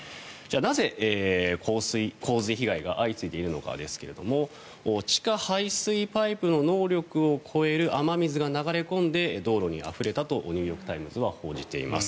なぜ、洪水被害が相次いでいるのかですが地下排水パイプの能力を超える雨水が流れ込んで道路にあふれたとニューヨーク・タイムズは報じています。